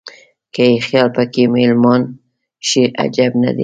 که یې خیال په کې مېلمان شي عجب نه دی.